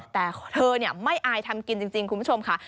แต่เธอไม่อายทำกินจริงคุณผู้ชมค่ะ